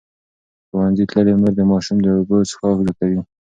ښوونځې تللې مور د ماشوم د اوبو څښاک زیاتوي.